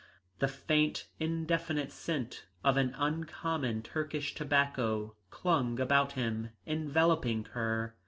The faint indefinite scent of an uncommon Turkish tobacco clung about him, enveloping her.